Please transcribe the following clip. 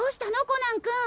コナン君。